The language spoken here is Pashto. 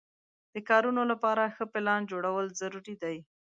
د کارونو لپاره ښه پلان جوړول ضروري دي.